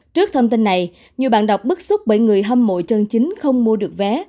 trước thông tin này nhiều bạn đọc bức xúc bởi người hâm mộ chân chính không mua được vé